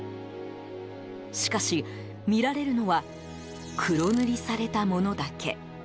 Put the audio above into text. しかし、見られるのは黒塗りされたものだけ。